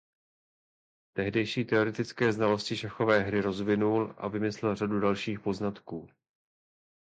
Tehdejší teoretické znalosti šachové hry rozvinul a vymyslel řadu dalších poznatků.